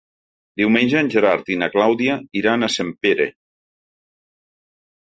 Diumenge en Gerard i na Clàudia iran a Sempere.